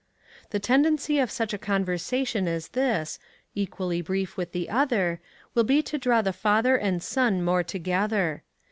The tendency of such a conversation as this, equally brief with the other, will be to draw the father and son more together.